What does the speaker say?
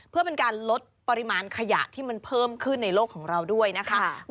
เพื่อเป็นการลดปริมาณขยะที่มันเพิ่มขึ้นในโลกของเราด้วยนะคะ